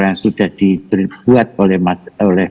yang sudah dibuat oleh